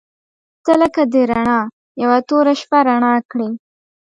• ته لکه د رڼا یوه توره شپه رڼا کړې.